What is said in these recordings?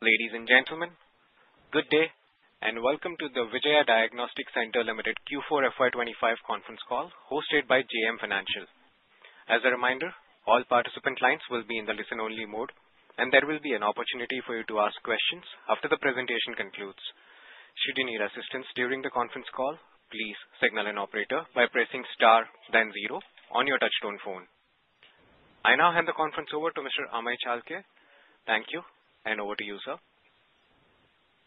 Ladies and gentlemen, good day and welcome to the Vijaya Diagnostic Centre Limited Q4 FY25 conference call hosted by JM Financial. As a reminder, all participant lines will be in the listen-only mode, and there will be an opportunity for you to ask questions after the presentation concludes. Should you need assistance during the conference call, please signal an operator by pressing star, then zero on your touch-tone phone. I now hand the conference over to Mr. Amey Chalke. Thank you, and over to you, sir.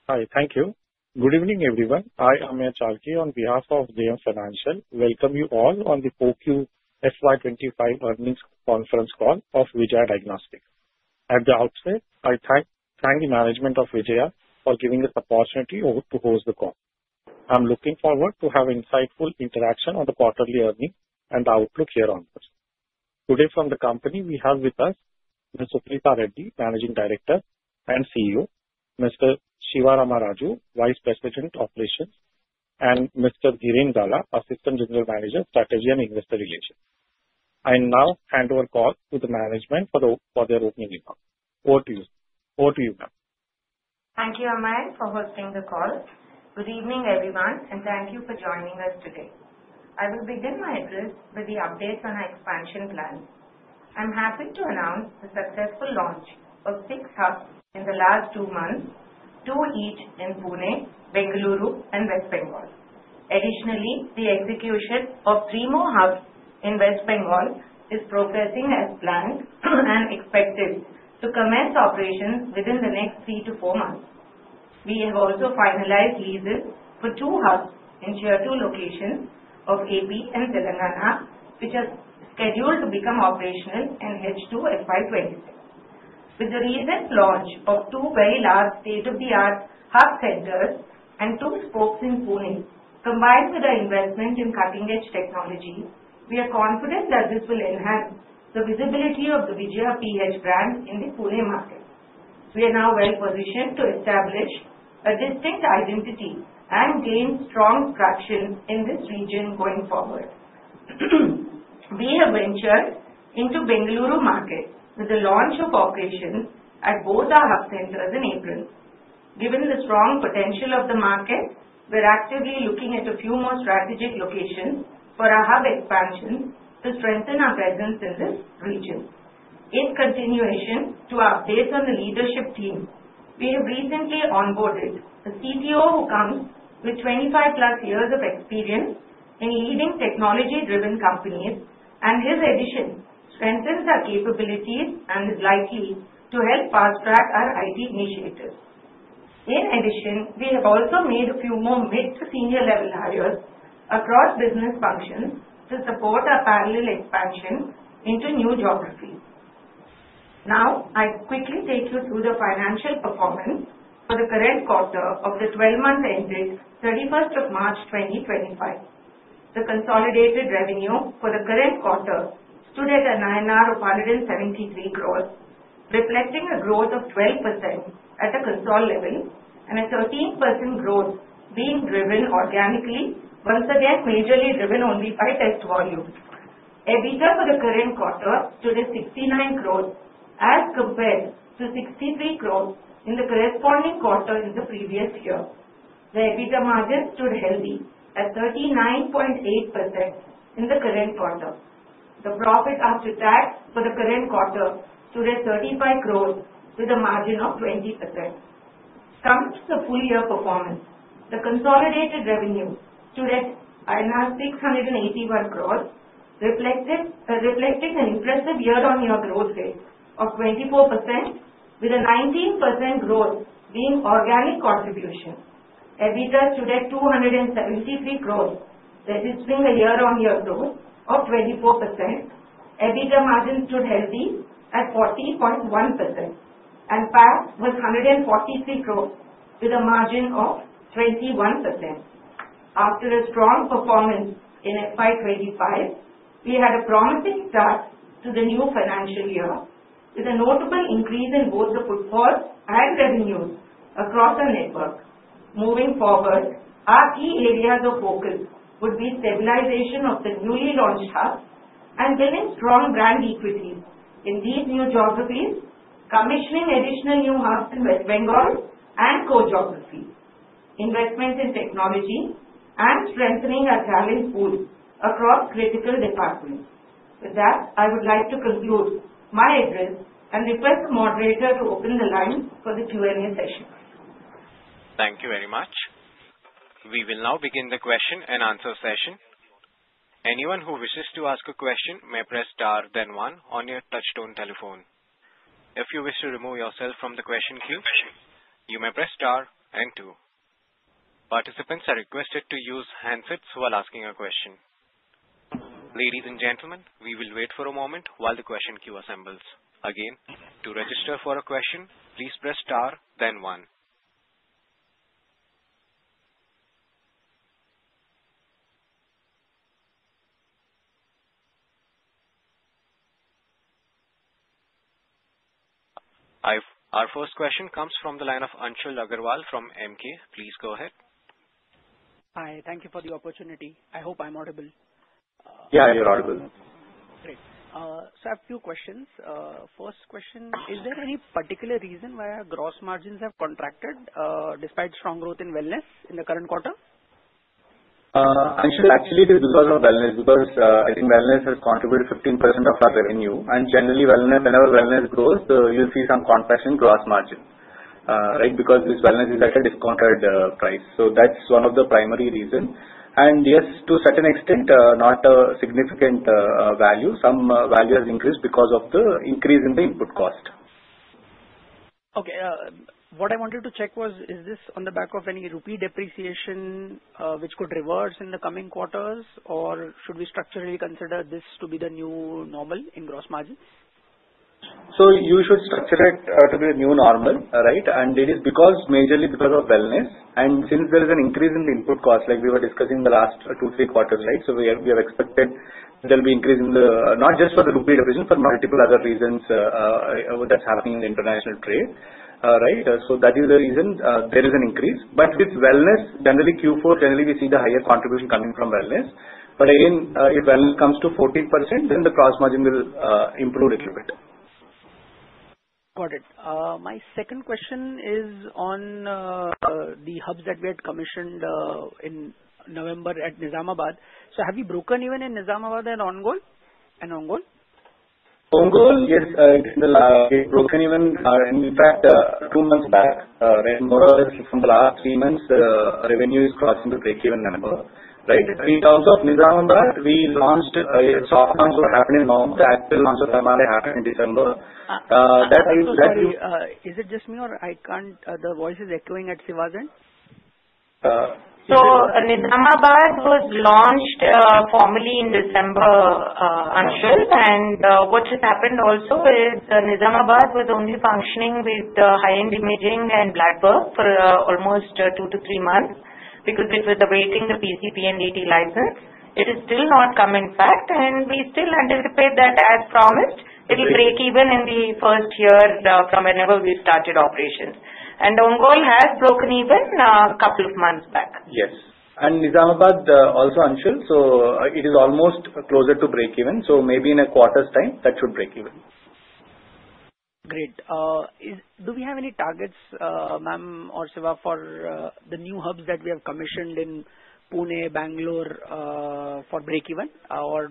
Hi, thank you. Good evening, everyone. I am Amey Chalke on behalf of JM Financial. Welcome you all on the Q2 FY25 earnings conference call of Vijaya Diagnostic. At the outset, I thank the management of Vijaya for giving us the opportunity to host the call. I'm looking forward to having insightful interaction on the quarterly earnings and outlook here on this. Today, from the company, we have with us Mr. Suprita Reddy, Managing Director and CEO; Mr. Siva Rama Raju, Vice President, Operations; and Mr. Sion Dalla, Assistant General Manager, Strategy and Investor Relations. I now hand over the call to the management for their opening remarks. Over to you. Over to you, ma'am. Thank you, Amey, for hosting the call. Good evening, everyone, and thank you for joining us today. I will begin my address with the updates on our expansion plan. I'm happy to announce the successful launch of six hubs in the last two months, two each in Pune, Bengaluru, and West Bengal. Additionally, the execution of three more hubs in West Bengal is progressing as planned and expected to commence operations within the next three to four months. We have also finalized leases for two hubs in tier two locations of AP and Telangana, which are scheduled to become operational in H2 FY26. With the recent launch of two very large state-of-the-art hub centers and two spokes in Pune, combined with our investment in cutting-edge technology, we are confident that this will enhance the visibility of the Vijaya PH brand in the Pune market. We are now well-positioned to establish a distinct identity and gain strong traction in this region going forward. We have ventured into the Bengaluru market with the launch of operations at both our hub centers in April. Given the strong potential of the market, we're actively looking at a few more strategic locations for our hub expansion to strengthen our presence in this region. In continuation to our updates on the leadership team, we have recently onboarded a CTO who comes with 25+ years of experience in leading technology-driven companies, and his addition strengthens our capabilities and is likely to help fast-track our IT initiatives. In addition, we have also made a few more mid to senior-level hires across business functions to support our parallel expansion into new geographies. Now, I quickly take you through the financial performance for the current quarter of the 12-month end date 31st of March 2025. The consolidated revenue for the current quarter stood at 173 crores, reflecting a growth of 12% at the consolidated level and a 13% growth being driven organically, once again majorly driven only by test volume. EBITDA for the current quarter stood at 69 crores as compared to 63 crores in the corresponding quarter in the previous year. The EBITDA margin stood healthy at 39.8% in the current quarter. The profit after tax for the current quarter stood at 35 crores with a margin of 20%. Come to the full-year performance, the consolidated revenue stood at INR 681 crores, reflecting an impressive year-on-year growth rate of 24%, with a 19% growth being organic contribution. EBITDA stood at 273 crores, registering a year-on-year growth of 24%. EBITDA margin stood healthy at 40.1%, and PAT was 143 crores with a margin of 21%. After a strong performance in FY25, we had a promising start to the new financial year with a notable increase in both the footfalls and revenues across our network. Moving forward, our key areas of focus would be stabilization of the newly launched hubs and building strong brand equities in these new geographies, commissioning additional new hubs in West Bengal and core geographies, investment in technology, and strengthening our talent pool across critical departments. With that, I would like to conclude my address and request the moderator to open the line for the Q&A session. Thank you very much. We will now begin the question-and-answer session. Anyone who wishes to ask a question may press star, then one on your touch-tone telephone. If you wish to remove yourself from the question queue, you may press star, then two. Participants are requested to use handsets while asking a question. Ladies and gentlemen, we will wait for a moment while the question queue assembles. Again, to register for a question, please press star, then one. Our first question comes from the line of Anshul Agrawal from Emkay. Please go ahead. Hi. Thank you for the opportunity. I hope I'm audible? Yeah, you're audible. Great. So I have a few questions. First question, is there any particular reason why our gross margins have contracted despite strong growth in wellness in the current quarter? Anshul, actually, it is because of wellness because I think wellness has contributed 15% of our revenue. And generally, whenever wellness grows, you'll see some contraction in gross margin, right, because this wellness is at a discounted price. So that's one of the primary reasons. And yes, to a certain extent, not a significant value. Some value has increased because of the increase in the input cost. Okay. What I wanted to check was, is this on the back of any rupee depreciation which could reverse in the coming quarters, or should we structurally consider this to be the new normal in gross margins? So you should structure it to be the new normal, right? And it is majorly because of wellness. And since there is an increase in the input cost, like we were discussing the last two, three quarters, right? So we have expected there'll be an increase, not just for the rupee division, but multiple other reasons that's happening in the international trade, right? So that is the reason there is an increase. But with wellness, generally, Q4, generally, we see the higher contribution coming from wellness. But again, if wellness comes to 14%, then the gross margin will improve a little bit. Got it. My second question is on the hubs that we had commissioned in November at Nizamabad. So have we broken even in Nizamabad and Ongole? Ongole, yes. We've broken even. In fact, two months back, more or less from the last three months, revenue is crossing the break-even number, right? In terms of Nizamabad, we launched a soft launch that happened in November. The actual launch of MRI happened in December. Is it just me, or the voice is echoing at Siva's end? Nizamabad was launched formally in December, Anshul. And what has happened also is Nizamabad was only functioning with high-end imaging and blood work for almost two to three months because it was awaiting the PCPNDT license. It has still not come, in fact. And we still anticipate that, as promised, it will break even in the first year from whenever we started operations. And Ongole has broken even a couple of months back. Yes. And Nizamabad also, Anshul. So it is almost closer to break-even. So maybe in a quarter's time, that should break even. Great. Do we have any targets, ma'am or sir, for the new hubs that we have commissioned in Pune, Bangalore for break-even, or?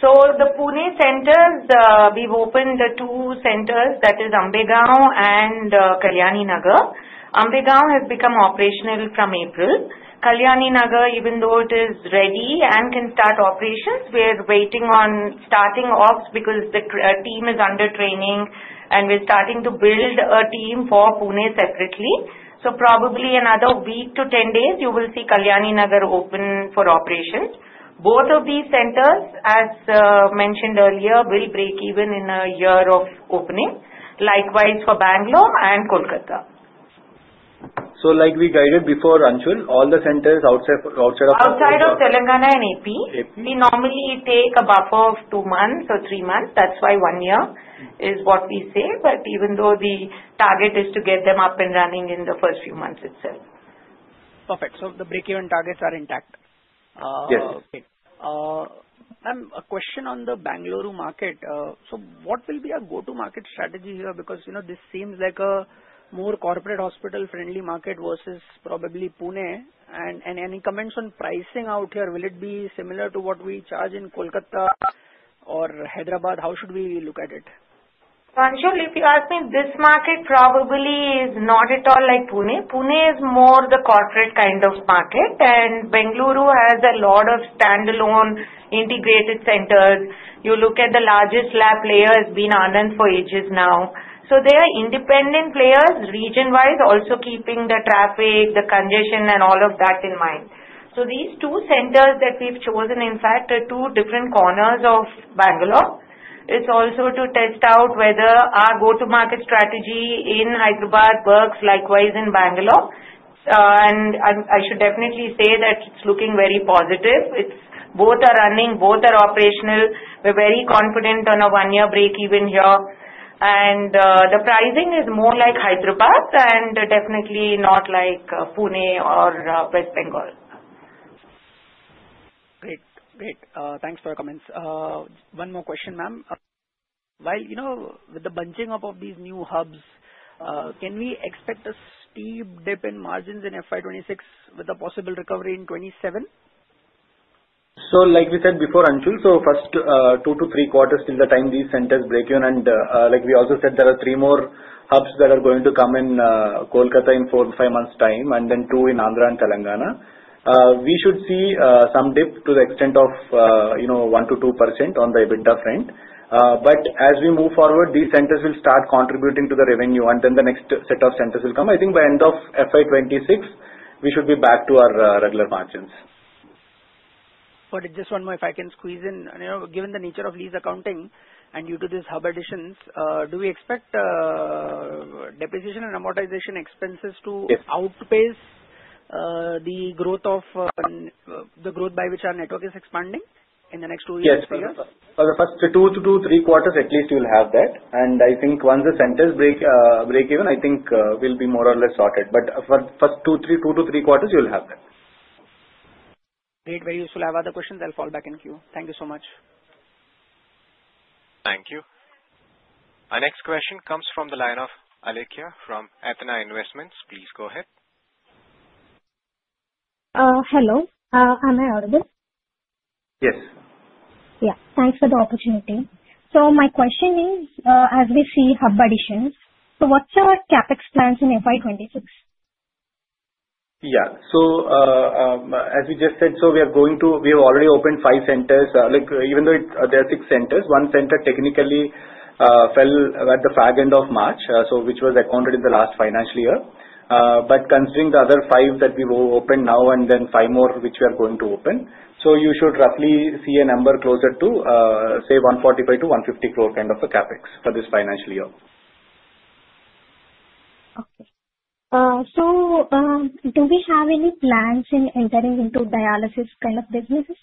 So the Pune centers, we've opened two centers, that is Ambegaon and Kalyani Nagar. Ambegaon has become operational from April. Kalyani Nagar, even though it is ready and can start operations, we're waiting on starting off because the team is under training, and we're starting to build a team for Pune separately. So probably another week to 10 days, you will see Kalyani Nagar open for operations. Both of these centers, as mentioned earlier, will break even in a year of opening. Likewise for Bangalore and Kolkata. So like we guided before, Anshul, all the centers outside of. Outside of Telangana and AP, we normally take a buffer of two months or three months. That's why one year is what we say. But even though the target is to get them up and running in the first few months itself. Perfect. So the break-even targets are intact. Yes. Great. Ma'am, a question on the Bangalore market. So what will be our go-to-market strategy here? Because this seems like a more corporate hospital-friendly market versus probably Pune. And any comments on pricing out here? Will it be similar to what we charge in Kolkata or Hyderabad? How should we look at it? So Anshul, if you ask me, this market probably is not at all like Pune. Pune is more the corporate kind of market. And Bangalore has a lot of standalone integrated centers. You look at the largest lab player has been Anand for ages now. So they are independent players region-wise, also keeping the traffic, the congestion, and all of that in mind. So these two centers that we've chosen, in fact, are two different corners of Bangalore. It's also to test out whether our go-to-market strategy in Hyderabad works likewise in Bangalore. And I should definitely say that it's looking very positive. Both are running. Both are operational. We're very confident on a one-year break-even here. And the pricing is more like Hyderabad and definitely not like Pune or West Bengal. Great. Great. Thanks for your comments. One more question, ma'am. With the bunching up of these new hubs, can we expect a steep dip in margins in FY 2026 with a possible recovery in 2027? So like we said before, Anshul, so first two to three quarters till the time these centers break even. And like we also said, there are three more hubs that are going to come in Kolkata in four to five months' time, and then two in Andhra and Telangana. We should see some dip to the extent of 1%-2% on the EBITDA front. But as we move forward, these centers will start contributing to the revenue, and then the next set of centers will come. I think by end of FY26, we should be back to our regular margins. Got it. Just one more, if I can squeeze in. Given the nature of lease accounting and due to these hub additions, do we expect depreciation and amortization expenses to outpace the growth by which our network is expanding in the next two years? Yes. For the first two to three quarters, at least you'll have that. And I think once the centers break even, I think we'll be more or less sorted. But for the first two to three quarters, you'll have that. Great. Very useful. I have other questions. I'll fall back in queue. Thank you so much. Thank you. Our next question comes from the line of Alekhya from Athena Investments. Please go ahead. Hello. Am I audible? Yes. Yeah. Thanks for the opportunity. So my question is, as we see hub additions, so what's your CapEx plans in FY26? Yeah. So as we just said, so we are going to, we have already opened five centers. Even though there are six centers, one center technically fell at the fag end of March, which was accounted in the last financial year. But considering the other five that we've opened now and then five more which we are going to open, so you should roughly see a number closer to, say, 145 crore-150 crore kind of a CapEx for this financial year. Okay, so do we have any plans in entering into dialysis kind of businesses?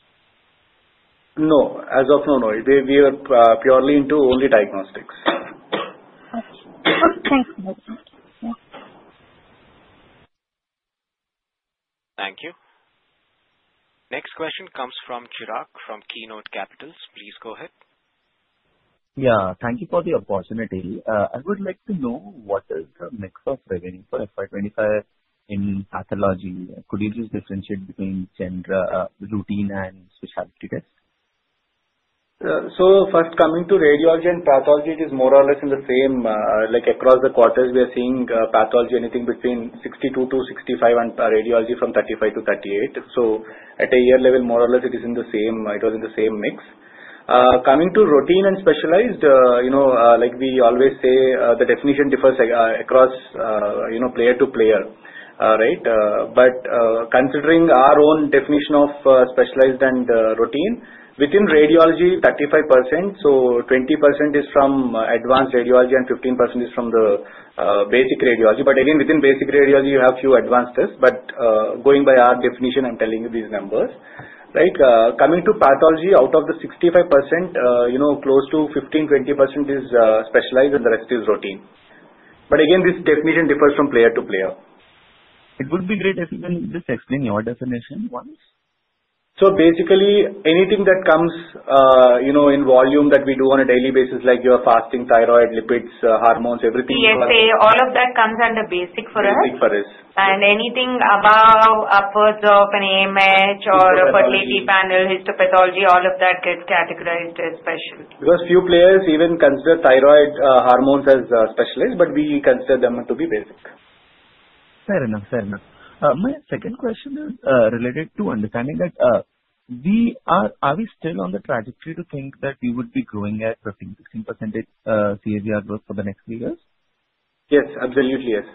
No. As of now, no. We are purely into only diagnostics. Okay. Thanks. Thank you. Next question comes from Chirag from Keynote Capitals. Please go ahead. Yeah. Thank you for the opportunity. I would like to know what is the mix of revenue for FY25 in pathology? Could you just differentiate between routine and specialty tests? First, coming to radiology and pathology, it is more or less the same. Across the quarters, we are seeing pathology anything between 62-65% and radiology from 35-38%. So at a year level, more or less, it is the same. It was in the same mix. Coming to routine and specialized, like we always say, the definition differs across player to player, right? But considering our own definition of specialized and routine, within radiology, 35%. So 20% is from advanced radiology and 15% is from the basic radiology. But again, within basic radiology, you have a few advanced tests. But going by our definition, I'm telling you these numbers, right? Coming to pathology, out of the 65%, close to 15-20% is specialized, and the rest is routine. But again, this definition differs from player to player. It would be great if you can just explain your definition once. So basically, anything that comes in volume that we do on a daily basis, like your fasting thyroid, lipids, hormones, everything you call. So you say all of that comes under basic for us? Basic for us. Anything above, upwards of an AMH or fertility panel, histopathology, all of that gets categorized as special? Because few players even consider thyroid hormones as specialized, but we consider them to be basic. Fair enough. Fair enough. My second question is related to understanding that we are. Are we still on the trajectory to think that we would be growing at 15%-16% CAGR growth for the next three years? Yes. Absolutely, yes.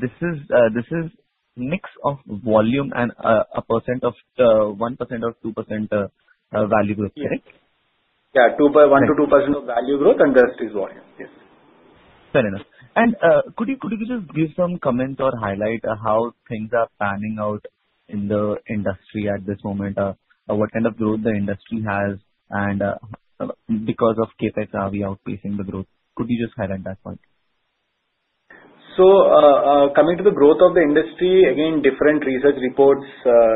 This is a mix of volume and a percent of 1% or 2% value growth, correct? Yeah. 1% to 2% of value growth and the rest is volume. Yes. Fair enough. And could you just give some comments or highlight how things are panning out in the industry at this moment, what kind of growth the industry has, and because of CapEx, are we outpacing the growth? Could you just highlight that point? So coming to the growth of the industry, again, different research reports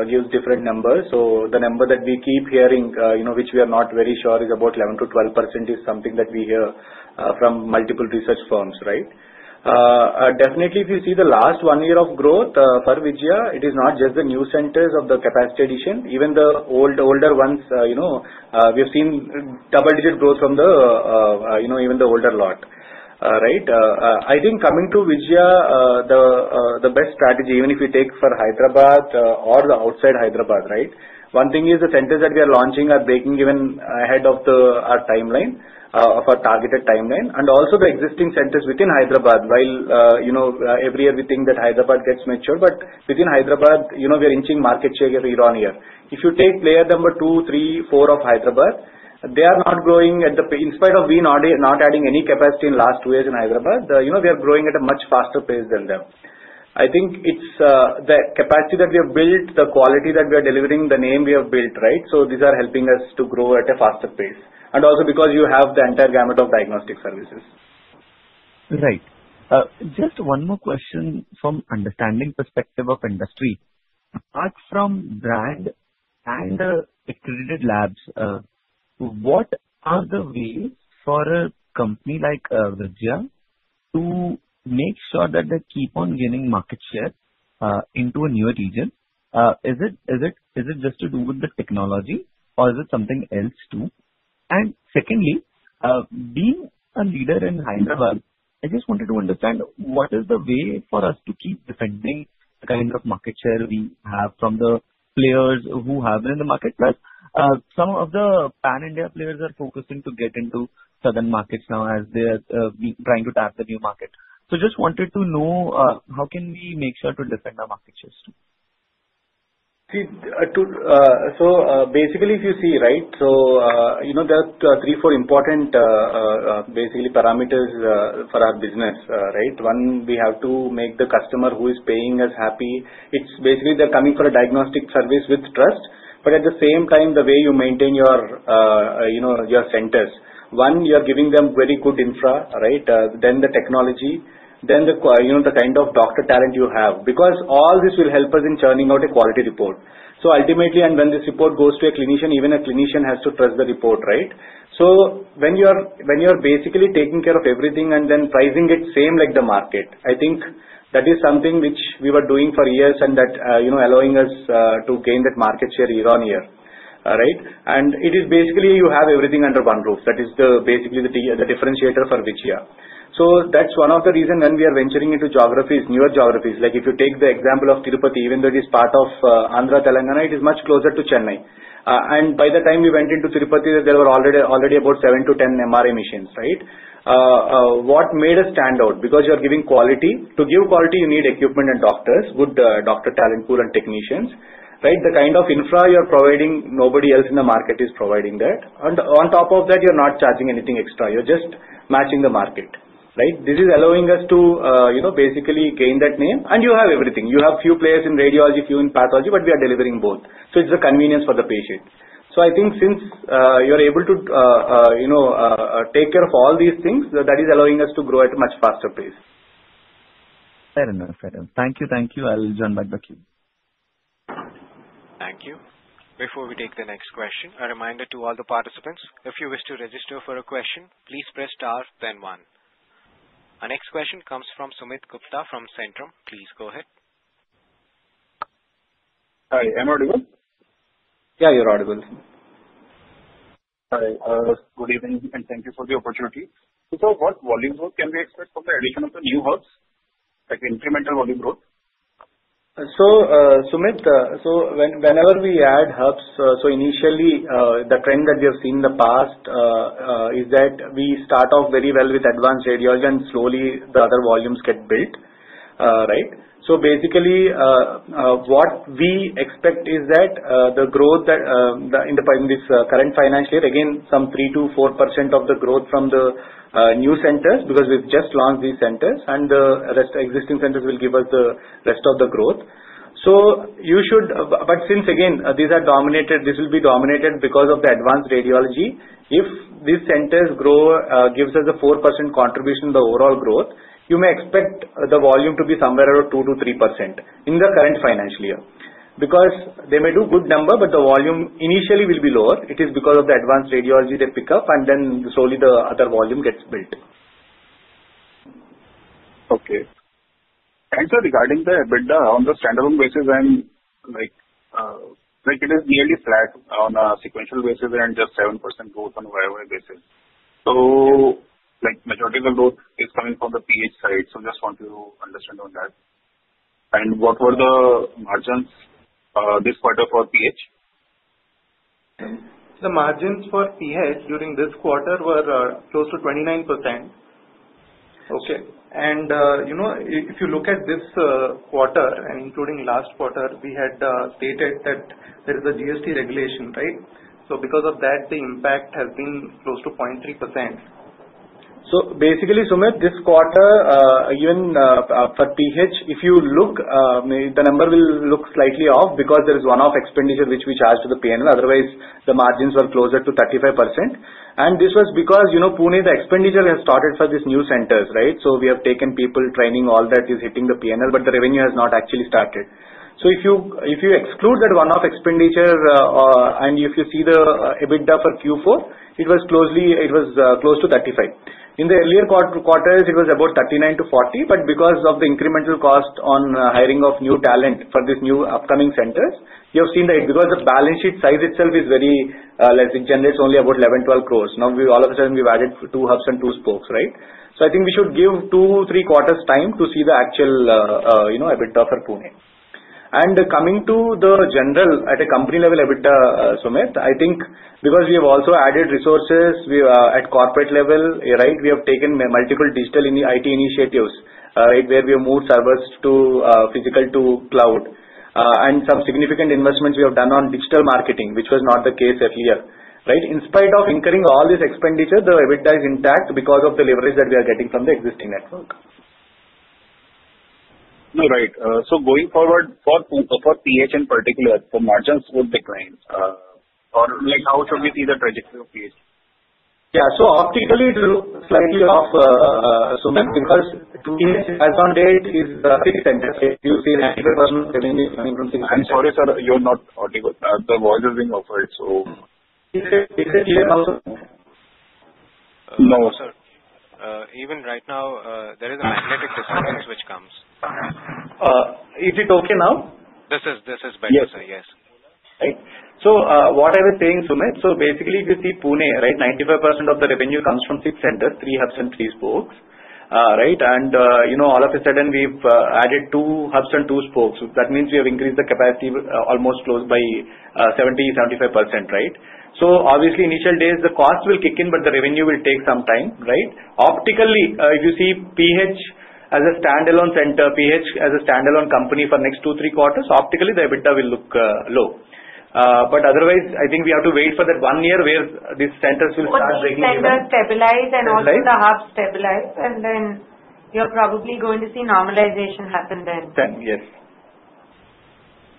give different numbers. So the number that we keep hearing, which we are not very sure, is about 11%-12% is something that we hear from multiple research firms, right? Definitely, if you see the last one year of growth for Vijaya, it is not just the new centers of the capacity addition. Even the older ones, we have seen double-digit growth from even the older lot, right? I think coming to Vijaya, the best strategy, even if you take for Hyderabad or the outside Hyderabad, right, one thing is the centers that we are launching are breaking even ahead of our timeline, of our targeted timeline. And also the existing centers within Hyderabad, while every year we think that Hyderabad gets matured, but within Hyderabad, we are inching market share year on year. If you take player number two, three, four of Hyderabad, they are not growing at the same pace in spite of we not adding any capacity in the last two years in Hyderabad, we are growing at a much faster pace than them. I think it's the capacity that we have built, the quality that we are delivering, the name we have built, right? So these are helping us to grow at a faster pace, and also because you have the entire gamut of diagnostic services. Right. Just one more question from understanding perspective of industry. Apart from brand and accredited labs, what are the ways for a company like Vijaya to make sure that they keep on gaining market share into a newer region? Is it just to do with the technology, or is it something else too? And secondly, being a leader in Hyderabad, I just wanted to understand what is the way for us to keep defending the kind of market share we have from the players who have been in the market? Plus, some of the Pan India players are focusing to get into southern markets now as they are trying to tap the new market. So just wanted to know how can we make sure to defend our market shares too? So basically, if you see, right, so there are three, four important basically parameters for our business, right? One, we have to make the customer who is paying us happy. It's basically they're coming for a diagnostic service with trust. But at the same time, the way you maintain your centers, one, you're giving them very good infra, right? Then the technology, then the kind of doctor talent you have. Because all this will help us in churning out a quality report. So ultimately, and when this report goes to a clinician, even a clinician has to trust the report, right? So when you are basically taking care of everything and then pricing it same like the market, I think that is something which we were doing for years and that allowing us to gain that market share year on year, right? It is basically you have everything under one roof. That is basically the differentiator for Vijaya. So that's one of the reasons when we are venturing into newer geographies. Like if you take the example of Tirupati, even though it is part of Andhra, Telangana, it is much closer to Chennai. And by the time we went into Tirupati, there were already about 7-10 MRI machines, right? What made us stand out? Because you are giving quality. To give quality, you need equipment and doctors, good doctor talent pool and technicians, right? The kind of infra you are providing, nobody else in the market is providing that. And on top of that, you're not charging anything extra. You're just matching the market, right? This is allowing us to basically gain that name. And you have everything. You have few players in radiology, few in pathology, but we are delivering both. So it's a convenience for the patient. So I think since you're able to take care of all these things, that is allowing us to grow at a much faster pace. Fair enough. Fair enough. Thank you. Thank you. I'll join back the queue. Thank you. Before we take the next question, a reminder to all the participants. If you wish to register for a question, please press star, then one. Our next question comes from Sumit Gupta from Centrum. Please go ahead. Hi. Am I audible? Yeah, you're audible. Hi. Good evening and thank you for the opportunity. So what volume growth can we expect from the addition of the new hubs? Like incremental volume growth? So Sumit, so whenever we add hubs, so initially, the trend that we have seen in the past is that we start off very well with advanced radiology and slowly the other volumes get built, right? So basically, what we expect is that the growth in this current financial year, again, some 3%-4% of the growth from the new centers because we've just launched these centers, and the existing centers will give us the rest of the growth. So you should, but since, again, these will be dominated because of the advanced radiology, if these centers give us a 4% contribution to the overall growth, you may expect the volume to be somewhere around 2%-3% in the current financial year. Because they may do a good number, but the volume initially will be lower. It is because of the advanced radiology they pick up, and then slowly the other volume gets built. Okay. And regarding the EBITDA, on the standalone basis, it is nearly flat on a sequential basis and just 7% growth on a variable basis. So majority of the growth is coming from the PH side. So just want you to understand on that. And what were the margins this quarter for PH? The margins for PH during this quarter were close to 29%. Okay. And if you look at this quarter, and including last quarter, we had stated that there is a GST regulation, right? So because of that, the impact has been close to 0.3%. So basically, Sumit, this quarter, even for PH, if you look, the number will look slightly off because there is one-off expenditure which we charge to the P&L. Otherwise, the margins were closer to 35%. And this was because Pune, the expenditure has started for these new centers, right? So we have taken people, training, all that is hitting the P&L, but the revenue has not actually started. So if you exclude that one-off expenditure and if you see the EBITDA for Q4, it was close to 35%. In the earlier quarters, it was about 39%-40%, but because of the incremental cost on hiring of new talent for these new upcoming centers, you have seen that because the balance sheet size itself is very less, it generates only about 11-12 crores. Now, all of a sudden, we've added two hubs and two spokes, right? So I think we should give two, three quarters time to see the actual EBITDA for Pune. And coming to the general at a company-level EBITDA, Sumit, I think because we have also added resources at corporate level, right? We have taken multiple digital IT initiatives, right, where we have moved servers physical to cloud. And some significant investments we have done on digital marketing, which was not the case earlier, right? In spite of incurring all this expenditure, the EBITDA is intact because of the leverage that we are getting from the existing network. Right. So going forward for PH in particular, the margins would decline. Or how should we see the trajectory of PH? Yeah. So optically, it looks slightly off, Sumit, because PH as of date is a fixed center. You see 95% coming from. I'm sorry, sir. You're not audible. The voice is being offered, so. Is it clear now? No, sir. Even right now, there is a magnetic disturbance which comes. Is it okay now? This is better. Yes. Right. So what I was saying, Sumit, so basically, if you see Pune, right, 95% of the revenue comes from six centers, three hubs and three spokes, right? And all of a sudden, we've added two hubs and two spokes. That means we have increased the capacity almost close by 70%-75%, right? So obviously, initial days, the cost will kick in, but the revenue will take some time, right? Optically, if you see PH as a standalone center, PH as a standalone company for the next two, three quarters, optically, the EBITDA will look low. But otherwise, I think we have to wait for that one year where these centers will start breaking even. Once the centers stabilize and also the hubs stabilize, and then you're probably going to see normalization happen then. Then, yes.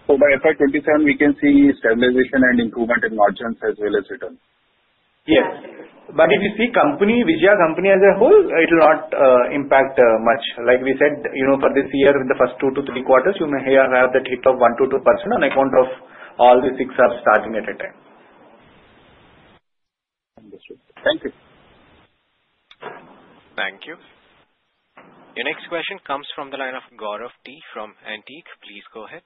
By FY27, we can see stabilization and improvement in margins as well as return. Yes, but if you see Vijaya Company as a whole, it will not impact much. Like we said, for this year, the first two to three quarters, you may have that hit of 1%-2% on account of all the six hubs starting at a time. Understood. Thank you. Thank you. Your next question comes from the line of Gaurav T. from Antique. Please go ahead.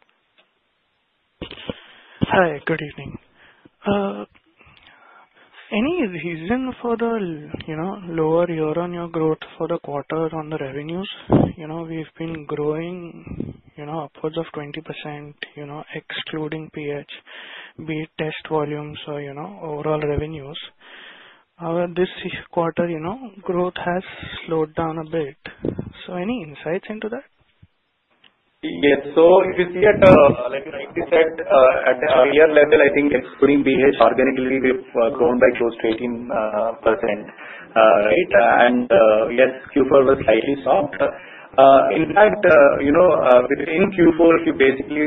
Hi. Good evening. Any reason for the lower year-on-year growth for the quarter on the revenues? We've been growing upwards of 20%, excluding PH, be it test volumes or overall revenues. However, this quarter, growth has slowed down a bit. So any insights into that? Yes. So if you see at like 90% at the earlier level, I think excluding PH, organically, we've grown by close to 18%, right? And yes, Q4 was slightly soft. In fact, within Q4, if you basically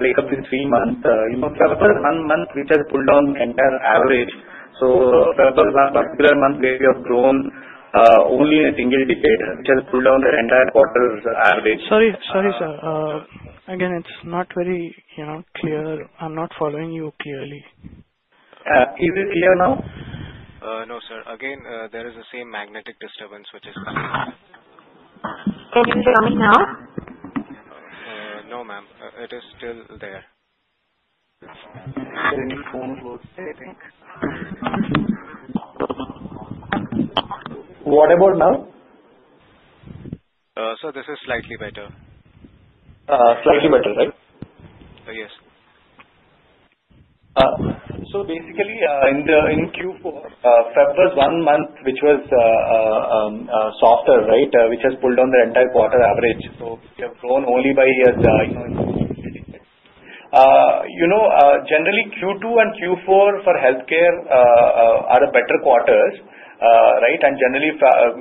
break up in three months, February month, which has pulled down the entire average. So February month, particular month, where we have grown only in single digits, which has pulled down the entire quarter's average. Sorry, sorry, sir. Again, it's not very clear. I'm not following you clearly. Is it clear now? No, sir. Again, there is the same magnetic disturbance which is coming. Is it coming now? No, ma'am. It is still there. What about now? This is slightly better. Slightly better, right? Yes. So basically, in Q4, February month, which was softer, right, which has pulled down the entire quarter average, so we have grown only by a small percentage. Generally, Q2 and Q4 for healthcare are the better quarters, right, and generally,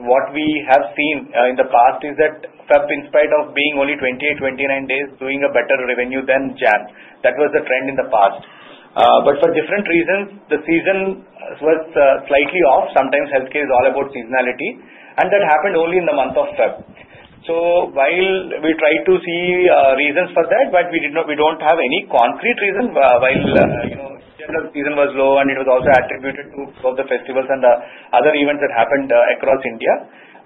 what we have seen in the past is that Feb, in spite of being only 28, 29 days, doing a better revenue than Jan, that was the trend in the past, but for different reasons, the season was slightly off. Sometimes healthcare is all about seasonality, and that happened only in the month of Feb, so while we tried to see reasons for that, but we don't have any concrete reason while the season was low and it was also attributed to some of the festivals and other events that happened across India,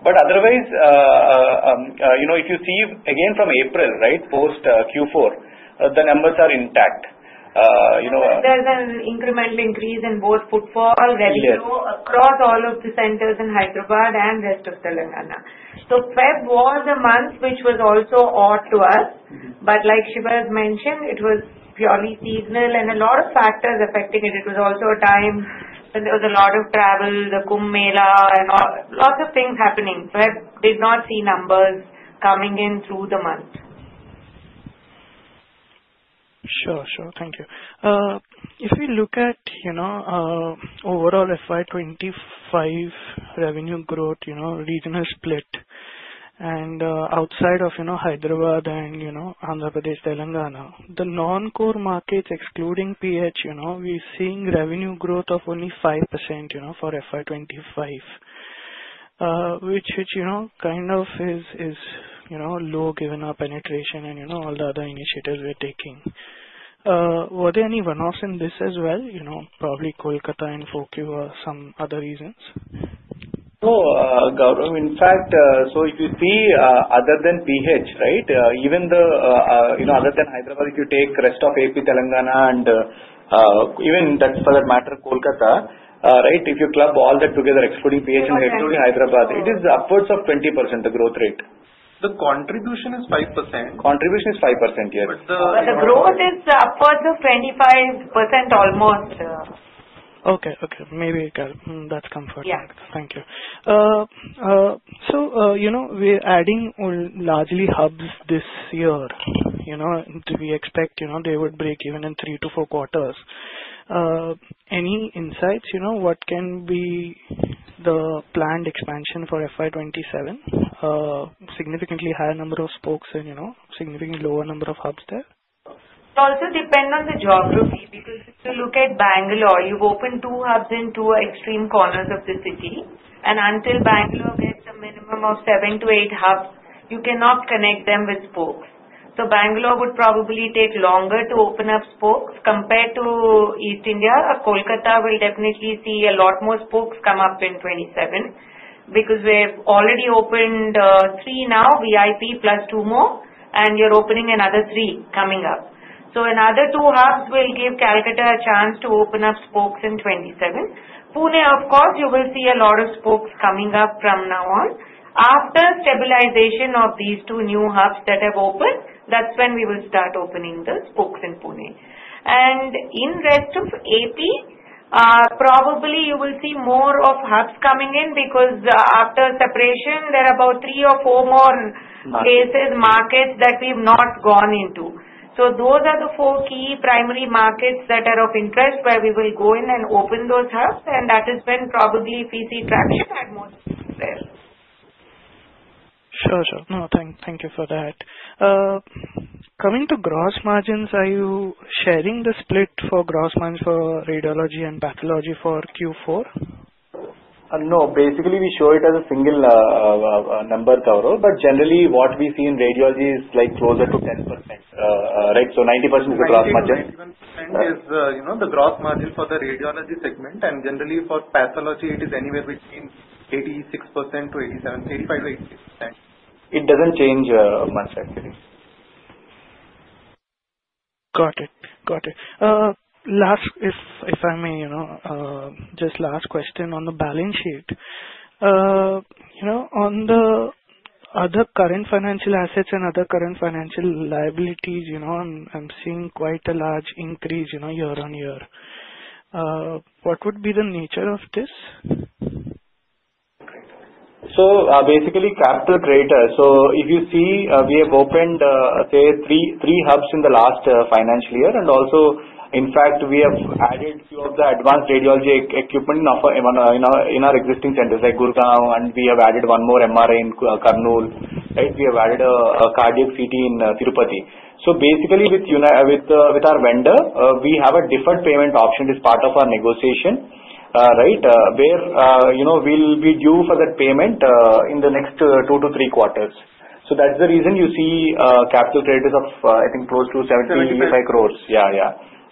but otherwise, if you see again from April, right, post Q4, the numbers are intact. There's an incremental increase in both footfall, volume, across all of the centers in Hyderabad and rest of Telangana. So Feb was a month which was also odd to us. But like Siva mentioned, it was purely seasonal and a lot of factors affecting it. It was also a time when there was a lot of travel, the Kumbh Mela, and lots of things happening. So I did not see numbers coming in through the month. Sure, sure. Thank you. If we look at overall FY25 revenue growth, regional split, and outside of Hyderabad and Andhra Pradesh, Telangana, the non-core markets excluding PH, we're seeing revenue growth of only five% for FY25, which kind of is low given our penetration and all the other initiatives we're taking. Were there any one-offs in this as well? Probably Kolkata and Barasat or some other reasons? No, Gaurav. In fact, so if you see other than PH, right, even other than Hyderabad, if you take rest of AP, Telangana, and even for that matter, Kolkata, right, if you club all that together, excluding PH and excluding Hyderabad, it is upwards of 20%, the growth rate. The contribution is 5%. Contribution is 5%, yes. But the growth is upwards of 25% almost. Okay, okay. Maybe that's comforting. Thank you. So we're adding largely hubs this year. We expect they would break even in three to four quarters. Any insights? What can be the planned expansion for FY27? Significantly higher number of spokes and significantly lower number of hubs there? It also depends on the geography. Because if you look at Bangalore, you've opened two hubs in two extreme corners of the city, and until Bangalore gets a minimum of seven to eight hubs, you cannot connect them with spokes, so Bangalore would probably take longer to open up spokes compared to East India. Kolkata will definitely see a lot more spokes come up in 2027 because we have already opened three now, VIP plus two more, and you're opening another three coming up, so another two hubs will give Calcutta a chance to open up spokes in 2027. Pune, of course, you will see a lot of spokes coming up from now on. After stabilization of these two new hubs that have opened, that's when we will start opening the spokes in Pune. In rest of AP, probably you will see more of hubs coming in because after separation, there are about three or four more places, markets that we've not gone into. Those are the four key primary markets that are of interest where we will go in and open those hubs, and that is when probably PCPNDT traction at most there. Sure, sure. No, thank you for that. Coming to gross margins, are you sharing the split for gross margins for radiology and pathology for Q4? No. Basically, we show it as a single number, Gaurav. But generally, what we see in radiology is closer to 10%, right? So 90% is the gross margin. 91% is the gross margin for the radiology segment. And generally, for pathology, it is anywhere between 85%-86%. It doesn't change much, actually. Got it. Got it. Last, if I may, just last question on the balance sheet. On the other current financial assets and other current financial liabilities, I'm seeing quite a large increase year on year. What would be the nature of this? So basically, capital creditors. So if you see, we have opened, say, three hubs in the last financial year. And also, in fact, we have added a few of the advanced radiology equipment in our existing centers, like Gurgaon, and we have added one more MRI in Kurnool, right? We have added a cardiac CT in Tirupati. So basically, with our vendor, we have a deferred payment option as part of our negotiation, right, where we'll be due for that payment in the next two to three quarters. So that's the reason you see capital creditors of, I think, close to 70-75 crores. Yeah, yeah.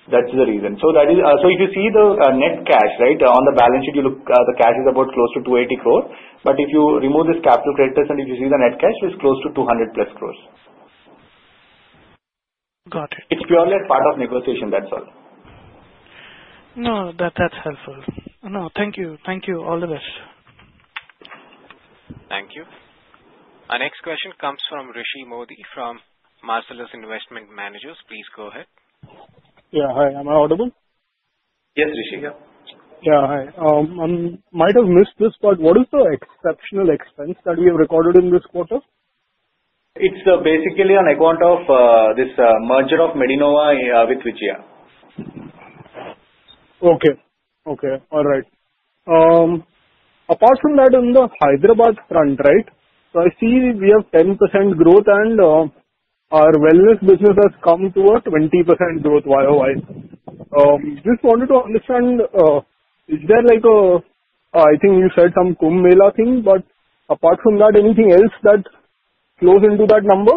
That's the reason. So if you see the net cash, right, on the balance sheet, you look, the cash is about close to 280 crores. But if you remove this capital creditors, and if you see the net cash, it's close to 200+ crores. Got it. It's purely as part of negotiation. That's all. No, that's helpful. No, thank you. Thank you. All the best. Thank you. Our next question comes from Rishi Modi from Marcellus Investment Managers. Please go ahead. Yeah. Hi. Am I audible? Yes, Rishi. Yeah. Yeah. Hi. I might have missed this, but what is the exceptional expense that we have recorded in this quarter? It's basically on account of this merger of Medinova with Vijaya. Okay. Okay. All right. Apart from that, in the Hyderabad front, right, so I see we have 10% growth, and our wellness business has come to a 20% growth YoY. Just wanted to understand, is there like a, I think you said some Kumbh Mela thing, but apart from that, anything else that flows into that number?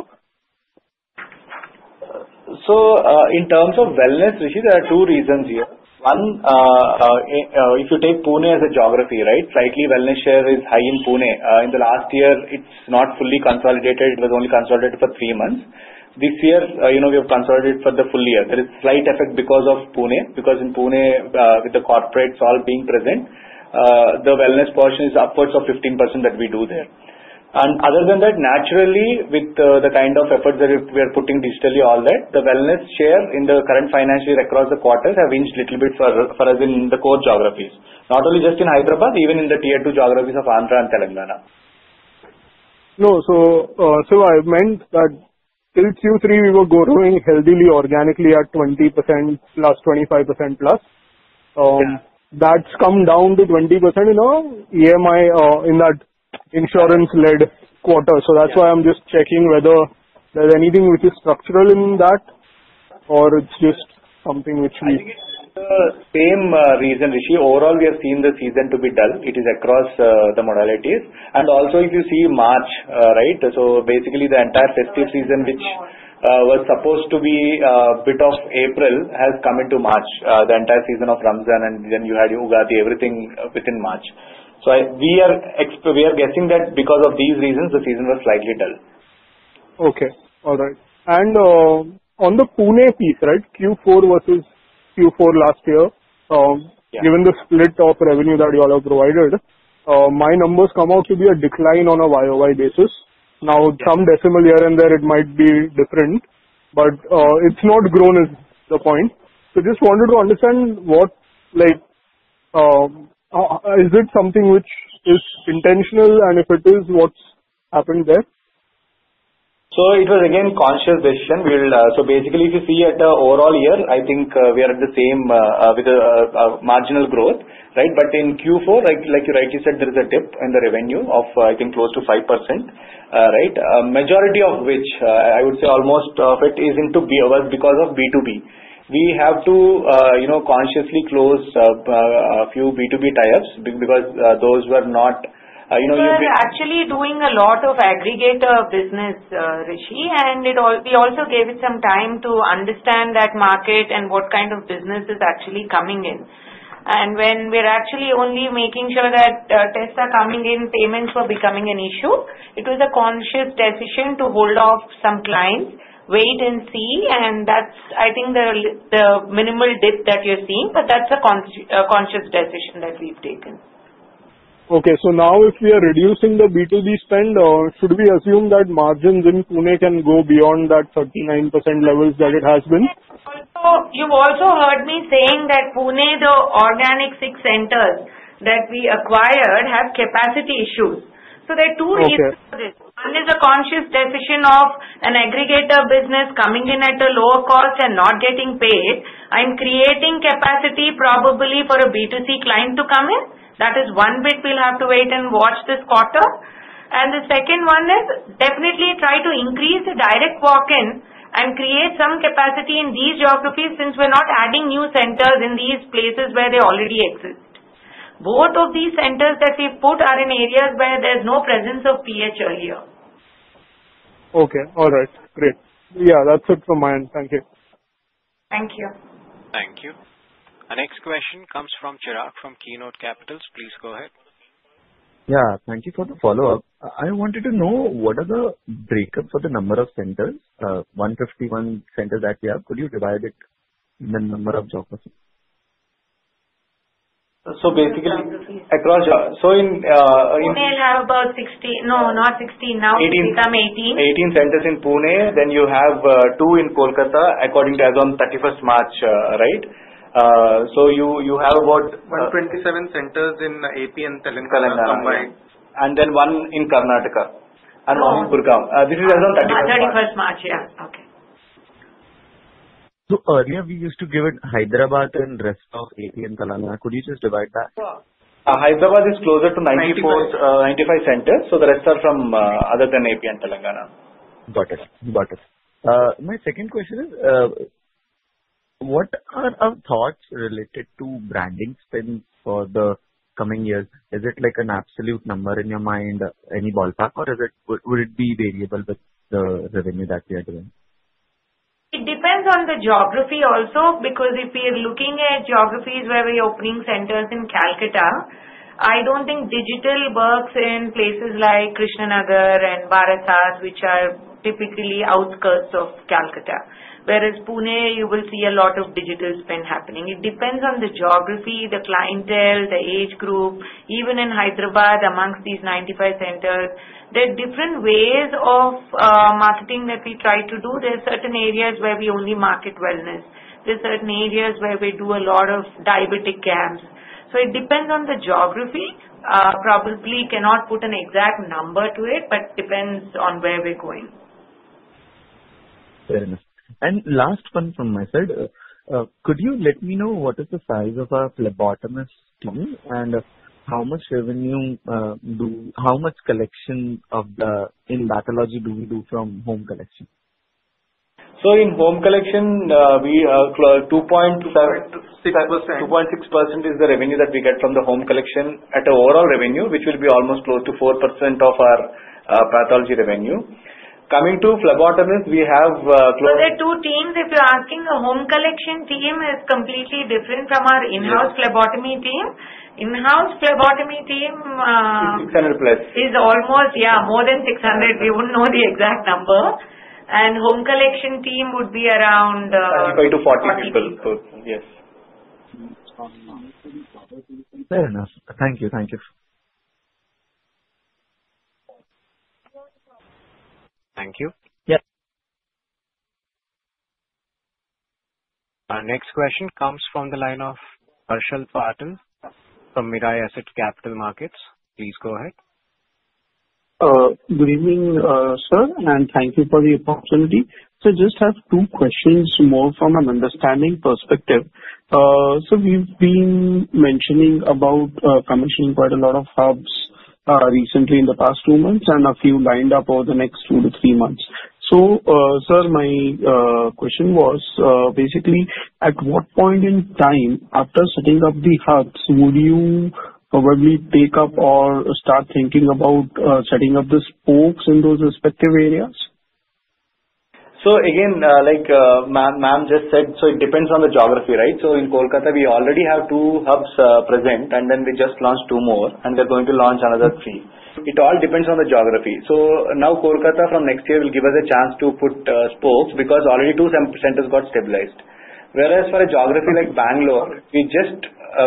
So in terms of wellness, Rishi, there are two reasons here. One, if you take Pune as a geography, right, slightly wellness share is high in Pune. In the last year, it's not fully consolidated. It was only consolidated for three months. This year, we have consolidated for the full year. There is slight effect because of Pune, because in Pune, with the corporates all being present, the wellness portion is upwards of 15% that we do there. And other than that, naturally, with the kind of efforts that we are putting digitally, all that, the wellness share in the current financial year across the quarters have inched a little bit for us in the core geographies. Not only just in Hyderabad, even in the tier two geographies of Andhra and Telangana. No, so I meant that till Q3, we were growing healthily, organically at 20% plus 25% plus. That's come down to 20% in our EMI in that insurance-led quarter. So that's why I'm just checking whether there's anything which is structural in that, or it's just something which we. I think it's the same reason, Rishi. Overall, we have seen the season to be dull. It is across the modalities, and also, if you see March, right, so basically the entire festive season, which was supposed to be a bit of April, has come into March. The entire season of Ramadan, and then you had Ugadi, everything within March, so we are guessing that because of these reasons, the season was slightly dull. Okay. All right. On the Pune piece, right, Q4 versus Q4 last year, given the split of revenue that you all have provided, my numbers come out to be a decline on a YoY basis. Now, some sequential year in there, it might be different, but it's not grown is the point. So just wanted to understand, is it something which is intentional, and if it is, what's happened there? So it was again conscious decision. So basically, if you see at the overall year, I think we are at the same with a marginal growth, right? But in Q4, like you rightly said, there is a dip in the revenue of, I think, close to 5%, right? Majority of which, I would say almost of it is because of B2B. We have to consciously close a few B2B ties because those were not. We are actually doing a lot of aggregator business, Rishi, and we also gave it some time to understand that market and what kind of business is actually coming in, and when we're actually only making sure that tests are coming in, payments were becoming an issue, it was a conscious decision to hold off some clients, wait and see, and that's, I think, the minimal dip that you're seeing, but that's a conscious decision that we've taken. Okay. So now, if we are reducing the B2B spend, should we assume that margins in Pune can go beyond that 39% levels that it has been? You've also heard me saying that Pune, the organic six centers that we acquired have capacity issues. So there are two reasons for this. One is a conscious decision of an aggregator business coming in at a lower cost and not getting paid and creating capacity probably for a B2C client to come in. That is one bit we'll have to wait and watch this quarter. And the second one is definitely try to increase the direct walk-in and create some capacity in these geographies since we're not adding new centers in these places where they already exist. Both of these centers that we've put are in areas where there's no presence of PH earlier. Okay. All right. Great. Yeah, that's it from my end. Thank you. Thank you. Thank you. Our next question comes from Chirag from Keynote Capitals. Please go ahead. Yeah. Thank you for the follow-up. I wanted to know what are the break-up for the number of centers, 151 centers that we have. Could you divide it in the number of geographies? So basically, across so in. Pune will have about 16. No, not 16. Now it's become 18. 18 centers in Pune. Then you have two in Kolkata according to as of 31st March, right? So you have about. 127 centers in AP and Telangana combined. And then one in Karnataka. And one in Gurgaon. This is as of 31st. 31st March. Yeah. Okay. So earlier, we used to give it Hyderabad and the rest of AP and Telangana. Could you just divide that? Hyderabad is closer to 94 centers, so the rest are from other than AP and Telangana. Got it. Got it. My second question is, what are our thoughts related to branding spend for the coming years? Is it like an absolute number in your mind, any ballpark, or would it be variable with the revenue that we are doing? It depends on the geography also because if we are looking at geographies where we are opening centers in Calcutta, I don't think digital works in places like Krishnanagar and Barasat, which are typically outskirts of Calcutta. Whereas Pune, you will see a lot of digital spend happening. It depends on the geography, the clientele, the age group. Even in Hyderabad, amongst these 95 centers, there are different ways of marketing that we try to do. There are certain areas where we only market wellness. There are certain areas where we do a lot of diabetic camps. So it depends on the geography. Probably cannot put an exact number to it, but depends on where we're going. Fair enough. And last one from my side, could you let me know what is the size of our phlebotomist team and how much collection in pathology do we do from home collection? In home collection, we are 2.6%. 2.6% is the revenue that we get from the home collection at overall revenue, which will be almost close to 4% of our pathology revenue. Coming to phlebotomist, we have close. For the two teams, if you're asking, the home collection team is completely different from our in-house phlebotomy team. 600 plus. It's almost, yeah, more than 600. We wouldn't know the exact number, and home collection team would be around. 35-40 people. Yes. Fair enough. Thank you. Thank you. Thank you. Yes. Our next question comes from the line of Harshil Patil from Mirae Asset Capital Markets. Please go ahead. Good evening, sir, and thank you for the opportunity. So just have two questions more from an understanding perspective. So we've been mentioning about commissioning quite a lot of hubs recently in the past two months, and a few lined up over the next two to three months. So sir, my question was basically, at what point in time after setting up the hubs, would you probably take up or start thinking about setting up the spokes in those respective areas? So again, like ma'am just said, so it depends on the geography, right? So in Kolkata, we already have two hubs present, and then we just launched two more, and we're going to launch another three. It all depends on the geography. So now Kolkata from next year will give us a chance to put spokes because already two centers got stabilized. Whereas for a geography like Bangalore, we just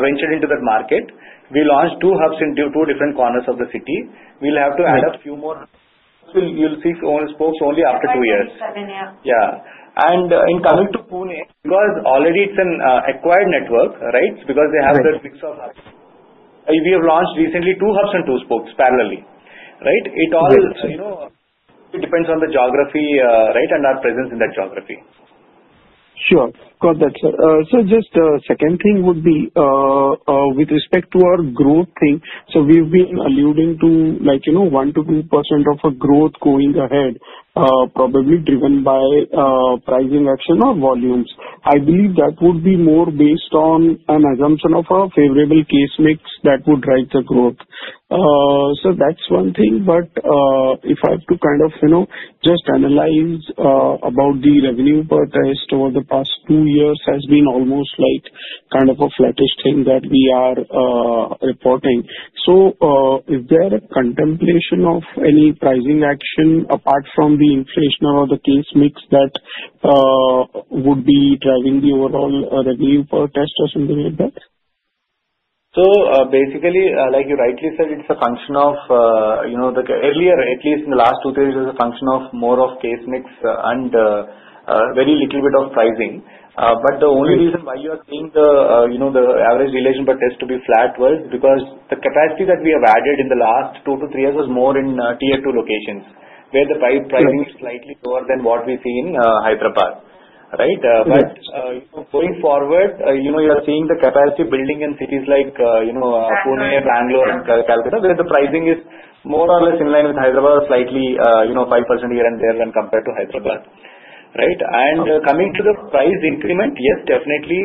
ventured into that market. We launched two hubs in two different corners of the city. We'll have to add up a few more. You'll see only spokes after two years. Seven, yeah. Yeah. And in coming to Pune, because already it's an acquired network, right, because they have the mix of hubs. We have launched recently two hubs and two spokes parallelly, right? It all depends on the geography, right, and our presence in that geography. Sure. Got that, sir. So just the second thing would be with respect to our growth thing. So we've been alluding to like 1%-2% of a growth going ahead, probably driven by pricing action or volumes. I believe that would be more based on an assumption of a favorable case mix that would drive the growth. So that's one thing. But if I have to kind of just analyze about the revenue per test, over the past two years has been almost like kind of a flattish thing that we are reporting. So is there a contemplation of any pricing action apart from the inflation or the case mix that would be driving the overall revenue per test or something like that? So basically, like you rightly said, it's a function of earlier. At least in the last two years, it was a function of more of case mix and very little bit of pricing. But the only reason why you are seeing the average realization per test to be flat was because the capacity that we have added in the last two to three years was more in tier two locations where the pricing is slightly lower than what we see in Hyderabad, right? But going forward, you are seeing the capacity building in cities like Pune, Bangalore, and Calcutta where the pricing is more or less in line with Hyderabad, slightly 5% here and there than compared to Hyderabad, right? And coming to the price increment, yes, definitely,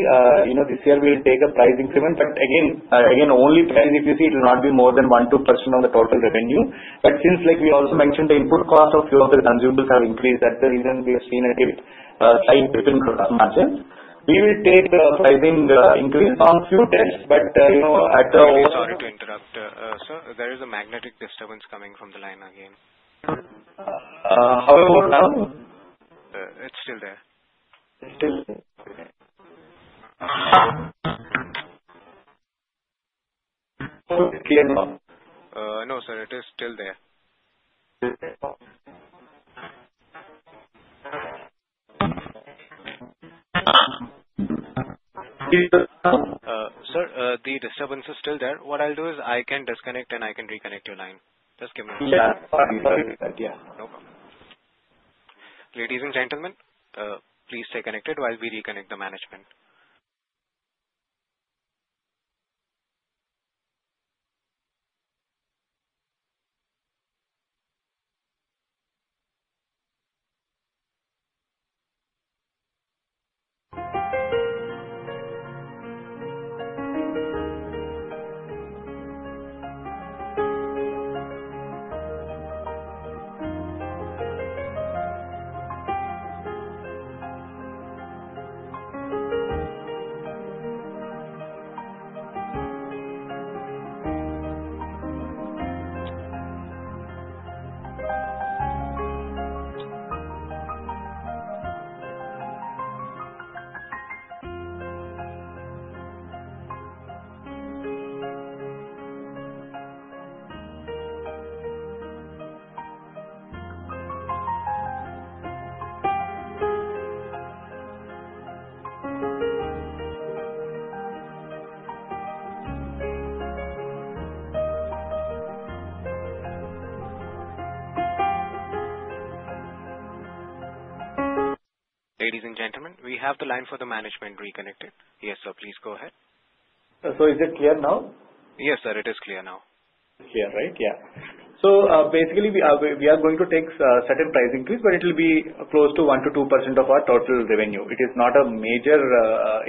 this year we will take a price increment. But again, only price, if you see, it will not be more than 1%-2% of the total revenue. But since we also mentioned the input cost of a few of the consumables have increased, that's the reason we have seen a dip, slight dip in gross margin. We will take the pricing increase on a few tests, but at the. Sorry to interrupt, sir. There is a magnetic disturbance coming from the line again. How about now? It's still there. It's still there? No, sir. It is still there. Sir, the disturbance is still there. What I'll do is I can disconnect and I can reconnect your line. Just give me a moment. Yeah. No problem. Ladies and gentlemen, please stay connected while we reconnect the management. Ladies and gentlemen, we have the line for the management reconnected. Yes, sir, please go ahead. Is it clear now? Yes, sir. It is clear now. It's clear, right? Yeah. So basically, we are going to take a certain price increase, but it will be close to 1%-2% of our total revenue. It is not a major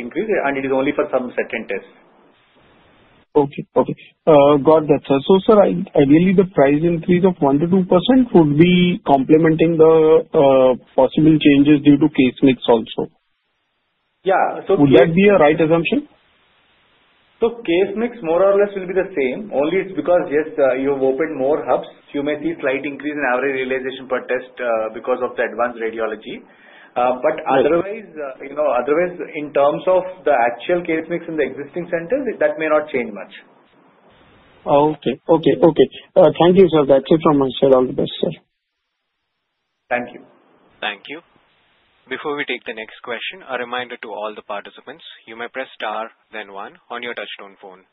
increase, and it is only for some certain tests. Okay. Okay. Got that, sir. So sir, ideally, the price increase of 1%-2% would be complementing the possible changes due to case mix also. Yeah. So it's. Would that be a right assumption? So case mix more or less will be the same. Only it's because, yes, you have opened more hubs, you may see slight increase in average realization per test because of the advanced radiology. But otherwise, in terms of the actual case mix in the existing centers, that may not change much. Okay. Thank you, sir. That's it from my side. All the best, sir. Thank you. Thank you. Before we take the next question, a reminder to all the participants, you may press star, then one on your touch-tone phone.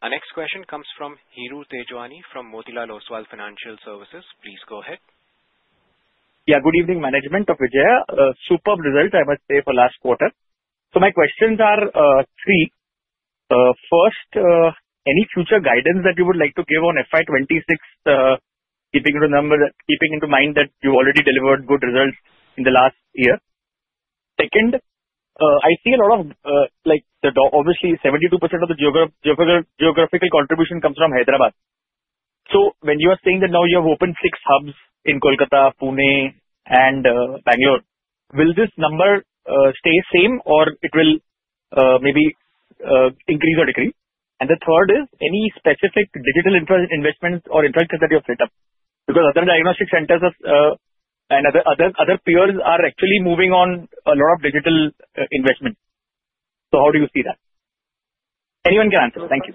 Our next question comes from Hiru Tejwani from Motilal Oswal Financial Services. Please go ahead. Yeah. Good evening, management of Vijaya. Superb results, I must say, for last quarter. So my questions are three. First, any future guidance that you would like to give on FY26, keeping in mind that you already delivered good results in the last year? Second, I see a lot of obviously, 72% of the geographical contribution comes from Hyderabad. So when you are saying that now you have opened six hubs in Kolkata, Pune, and Bangalore, will this number stay same or it will maybe increase or decrease? And the third is, any specific digital investments or infrastructure that you have set up? Because other diagnostic centers and other peers are actually moving on a lot of digital investments. So how do you see that? Anyone can answer. Thank you.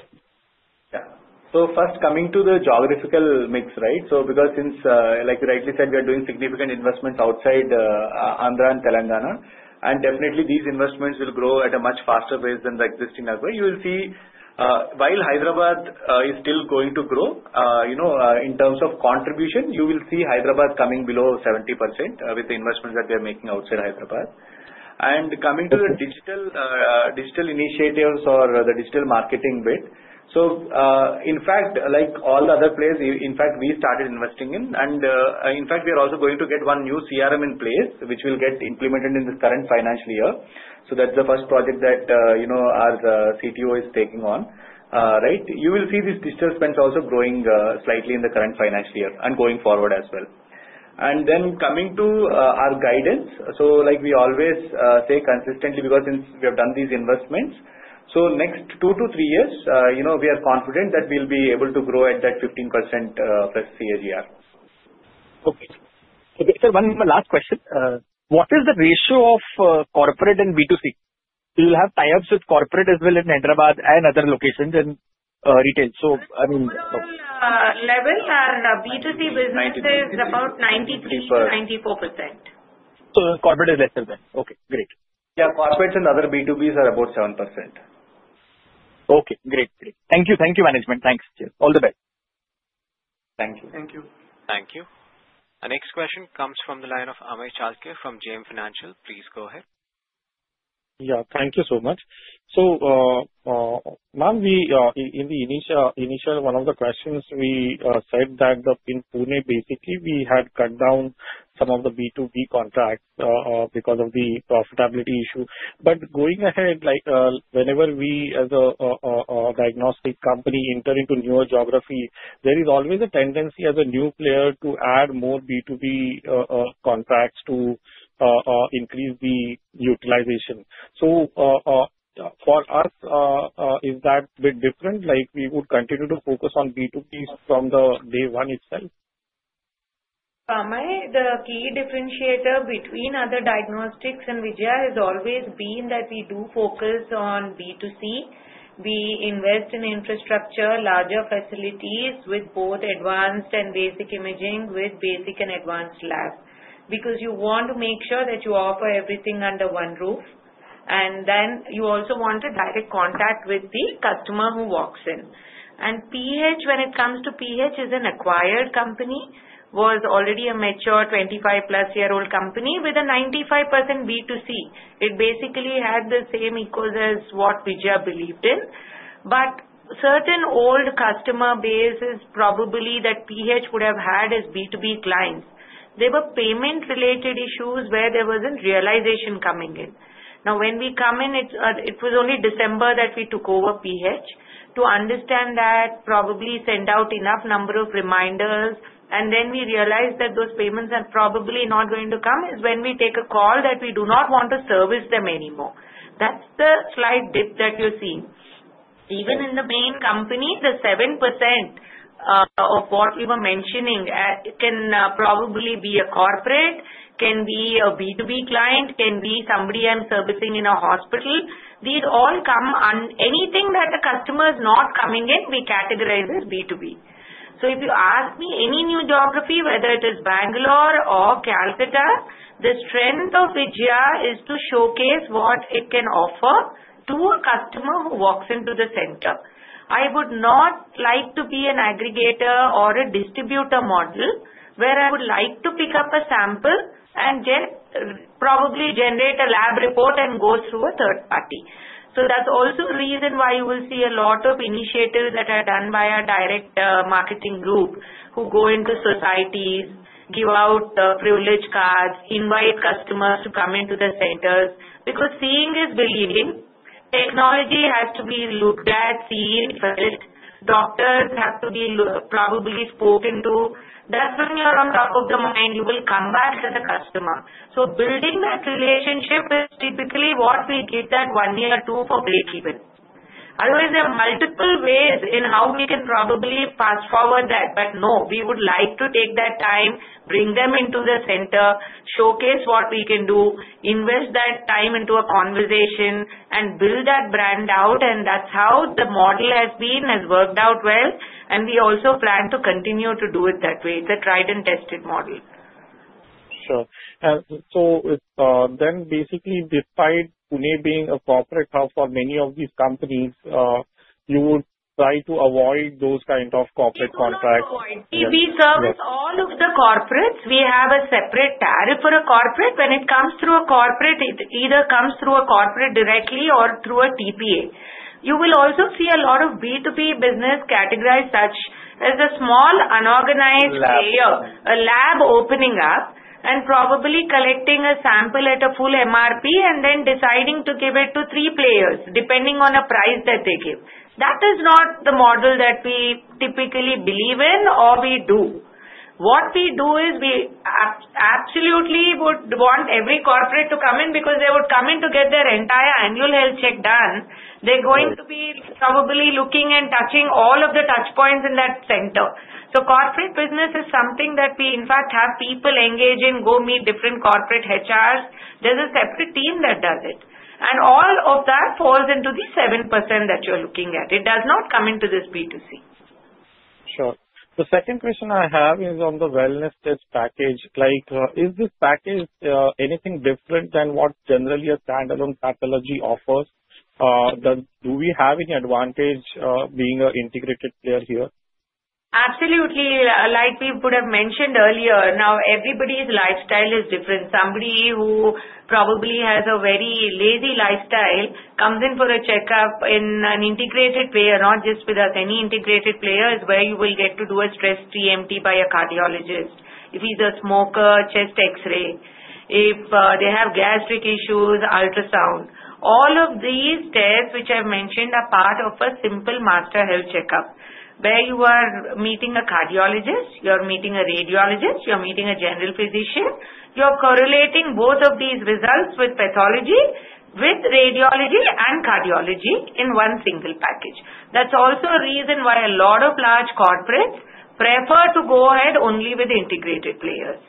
Yeah. So first, coming to the geographical mix, right? So because since you rightly said, we are doing significant investments outside Andhra and Telangana, and definitely these investments will grow at a much faster pace than the existing other way. You will see while Hyderabad is still going to grow in terms of contribution, you will see Hyderabad coming below 70% with the investments that they are making outside Hyderabad. And coming to the digital initiatives or the digital marketing bit, so in fact, like all the other players, in fact, we started investing in, and in fact, we are also going to get one new CRM in place, which will get implemented in this current financial year. So that's the first project that our CTO is taking on, right? You will see these digital spends also growing slightly in the current financial year and going forward as well. And then coming to our guidance, so like we always say consistently because since we have done these investments, so next two to three years, we are confident that we'll be able to grow at that 15% plus CAGR. Okay. Okay, sir, one last question. What is the ratio of corporate and B2C? We will have tie-ups with corporate as well in Hyderabad and other locations and retail. So I mean. Level and B2C business is about 93%-94%. So corporate is lesser than. Okay. Great. Yeah. Corporate and other B2Bs are about 7%. Okay. Great. Great. Thank you. Thank you, management. Thanks. All the best. Thank you. Thank you. Thank you. Our next question comes from the line of Amey Chalke from JM Financial. Please go ahead. Yeah. Thank you so much. So ma'am, in the initial one of the questions, we said that in Pune, basically, we had cut down some of the B2B contracts because of the profitability issue. But going ahead, whenever we as a diagnostic company enter into newer geography, there is always a tendency as a new player to add more B2B contracts to increase the utilization. So for us, is that a bit different? We would continue to focus on B2Bs from day one itself? The key differentiator between other diagnostics and Vijaya has always been that we do focus on B2C. We invest in infrastructure, larger facilities with both advanced and basic imaging with basic and advanced labs because you want to make sure that you offer everything under one roof. And then you also want a direct contact with the customer who walks in. And P.H., when it comes to P.H., is an acquired company, was already a mature 25-plus-year-old company with a 95% B2C. It basically had the same ethos as what Vijaya believed in. But certain old customer base is probably that P.H. would have had as B2B clients. They were payment-related issues where there wasn't realization coming in. Now, when we come in, it was only December that we took over P.H. To understand that, probably send out enough number of reminders, and then we realized that those payments are probably not going to come is when we take a call that we do not want to service them anymore. That's the slight dip that you're seeing. Even in the main company, the 7% of what we were mentioning can probably be a corporate, can be a B2B client, can be somebody I'm servicing in a hospital. These all come on anything that the customer is not coming in, we categorize as B2B. So if you ask me any new geography, whether it is Bangalore or Calcutta, the strength of Vijaya is to showcase what it can offer to a customer who walks into the center. I would not like to be an aggregator or a distributor model where I would like to pick up a sample and probably generate a lab report and go through a third party. So that's also the reason why you will see a lot of initiatives that are done by our direct marketing group who go into societies, give out privilege cards, invite customers to come into the centers. Because seeing is believing. Technology has to be looked at, seen, felt. Doctors have to be probably spoken to. That's when you're on top of the mind. You will come back as a customer. So building that relationship is typically what we get that one year or two for breakeven. Otherwise, there are multiple ways in how we can probably fast forward that. But no, we would like to take that time, bring them into the center, showcase what we can do, invest that time into a conversation, and build that brand out. And that's how the model has been worked out well. And we also plan to continue to do it that way. It's a tried and tested model. Sure. So then basically, despite Pune being a corporate hub for many of these companies, you would try to avoid those kind of corporate contracts? We serve all of the corporates. We have a separate tariff for a corporate. When it comes through a corporate, it either comes through a corporate directly or through a TPA. You will also see a lot of B2B business categorized such as a small unorganized player, a lab opening up and probably collecting a sample at a full MRP and then deciding to give it to three players depending on a price that they give. That is not the model that we typically believe in or we do. What we do is we absolutely would want every corporate to come in because they would come in to get their entire annual health check done. They're going to be probably looking and touching all of the touchpoints in that center. So corporate business is something that we, in fact, have people engage in, go meet different corporate HRs. There's a separate team that does it. And all of that falls into the 7% that you're looking at. It does not come into this B2C. Sure. The second question I have is on the wellness test package. Is this package anything different than what generally a standalone pathology offers? Do we have any advantage being an integrated player here? Absolutely. Like we would have mentioned earlier, now everybody's lifestyle is different. Somebody who probably has a very lazy lifestyle comes in for a checkup in an integrated player, not just with us. Any integrated player is where you will get to do a stress TMT by a cardiologist. If he's a smoker, chest X-ray. If they have gastric issues, ultrasound. All of these tests which I've mentioned are part of a simple master health checkup where you are meeting a cardiologist, you're meeting a radiologist, you're meeting a general physician. You're correlating both of these results with pathology, with radiology, and cardiology in one single package. That's also a reason why a lot of large corporates prefer to go ahead only with integrated players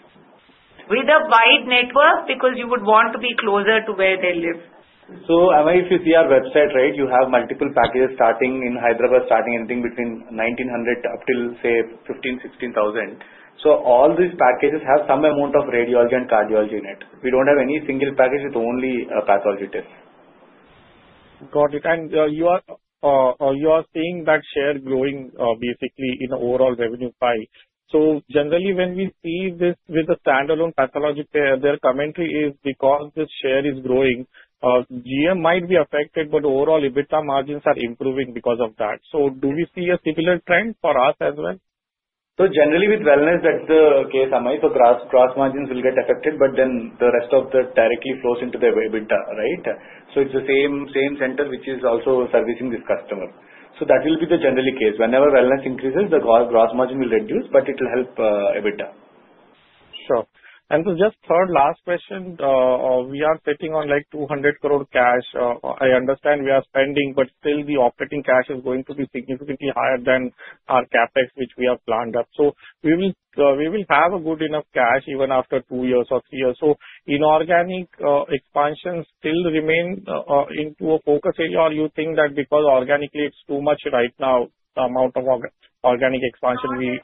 with a wide network because you would want to be closer to where they live. Amey, if you see our website, right, you have multiple packages starting in Hyderabad, starting anything between 1,900 up till, say, 15,000-16,000. So all these packages have some amount of radiology and cardiology in it. We don't have any single package with only a pathology test. Got it. And you are seeing that share growing basically in overall revenue pie. So generally, when we see this with a standalone pathology player, their commentary is because this share is growing, GM might be affected, but overall, EBITDA margins are improving because of that. So do we see a similar trend for us as well? So generally, with wellness, that's the case, Amey. So gross margins will get affected, but then the rest of it directly flows into the EBITDA, right? So it's the same center which is also servicing this customer. So that will be the general case. Whenever wellness increases, the gross margin will reduce, but it will help EBITDA. Sure. And just third last question, we are sitting on like 200 crore cash. I understand we are spending, but still the operating cash is going to be significantly higher than our CapEx which we have planned up. So we will have a good enough cash even after two years or three years. So inorganic expansions still remain into a focus area, or you think that because organically it's too much right now, the amount of organic expansion we are doing? Inorganic acquisition,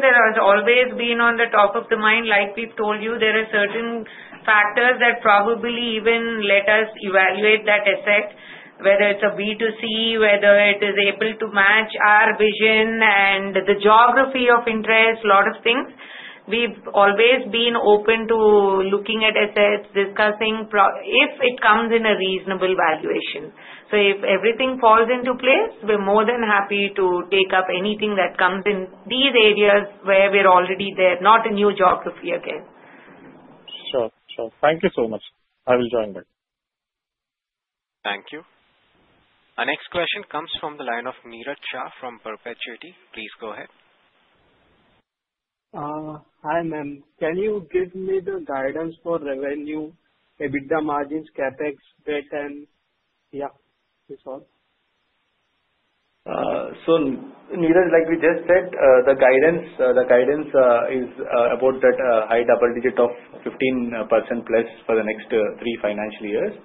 there has always been on the top of the mind. Like we've told you, there are certain factors that probably even let us evaluate that asset, whether it's a B2C, whether it is able to match our vision and the geography of interest, a lot of things. We've always been open to looking at assets, discussing if it comes in a reasonable valuation, so if everything falls into place, we're more than happy to take up anything that comes in these areas where we're already there, not a new geography again. Sure. Sure. Thank you so much. I will join back. Thank you. Our next question comes from the line of Neeraj Shah from Perpetuity. Please go ahead. Hi, ma'am. Can you give me the guidance for revenue, EBITDA margins, CapEx, retail? Yeah. It's all. Neeraj, like we just said, the guidance is about that high double digit of 15% plus for the next three financial years.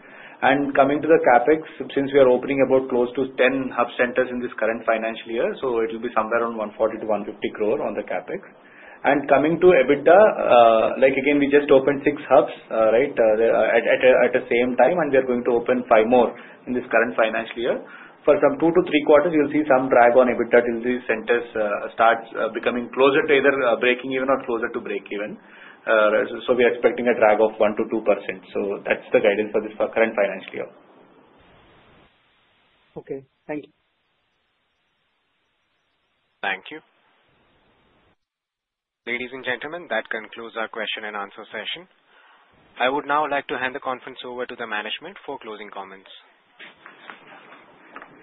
Coming to the CapEx, since we are opening about close to 10 hub centers in this current financial year, so it will be somewhere around 140-150 crore on the CapEx. Coming to EBITDA, like again, we just opened six hubs, right, at the same time, and we are going to open five more in this current financial year. For some two to three quarters, you'll see some drag on EBITDA till these centers start becoming closer to either breaking even or closer to breakeven. We are expecting a drag of 1%-2%. That's the guidance for this current financial year. Okay. Thank you. Thank you. Ladies and gentlemen, that concludes our question and answer session. I would now like to hand the conference over to the management for closing comments.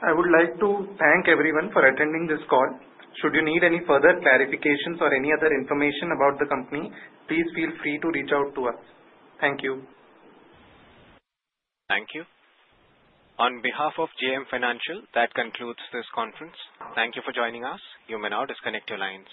I would like to thank everyone for attending this call. Should you need any further clarifications or any other information about the company, please feel free to reach out to us. Thank you. Thank you. On behalf of JM Financial, that concludes this conference. Thank you for joining us. You may now disconnect your lines.